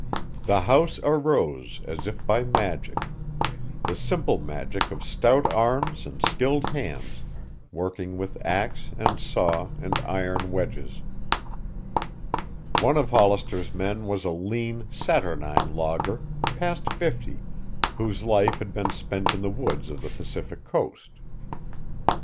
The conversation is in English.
The house arose as if by magic, the simple magic of stout arms and skilled hands working with axe and saw and iron wedges. One of Hollister's men was a lean, saturnine logger, past fifty, whose life had been spent in the woods of the Pacific Coast.